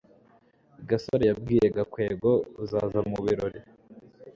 gasore yabwiye gakwego uzaza mubirori